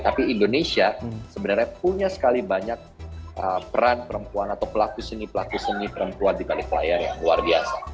tapi indonesia sebenarnya punya sekali banyak peran perempuan atau pelaku seni pelaku seni perempuan di balik layar yang luar biasa